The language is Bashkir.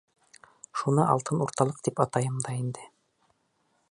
Шуны алтын урталыҡ тип атайым да инде.